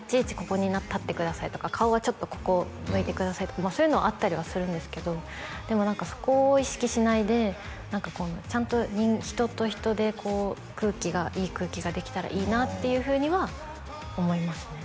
ここに立ってくださいとか顔はちょっとここを向いてくださいとかそういうのはあったりはするんですけどでも何かそこを意識しないでちゃんと人と人でこう空気がいい空気ができたらいいなっていうふうには思いますね